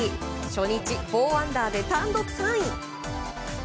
初日４アンダーで単独３位。